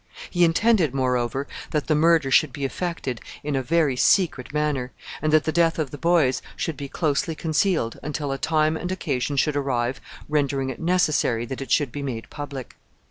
He intended, moreover, that the murder should be effected in a very secret manner, and that the death of the boys should be closely concealed until a time and occasion should arrive rendering it necessary that it should be made public.